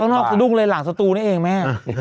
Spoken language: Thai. ข้างนอกสะดุ้งเลยหลังสตูนี่เองแม่